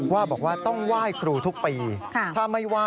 ว่าบอกว่าต้องไหว้ครูทุกปี